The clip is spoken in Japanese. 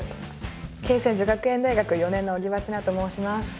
恵泉女学園大学４年の荻場千奈と申します。